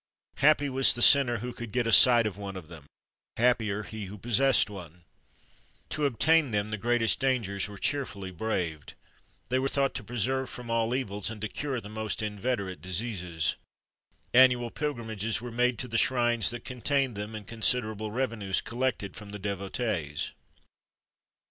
Happy was the sinner who could get a sight of one of them; happier he who possessed one! To obtain them the greatest dangers were cheerfully braved. They were thought to preserve from all evils, and to cure the most inveterate diseases. Annual pilgrimages were made to the shrines that contained them, and considerable revenues collected from the devotees.